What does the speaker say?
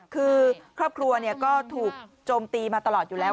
คือครอบครัวก็ถูกโจมตีมาตลอดอยู่แล้ว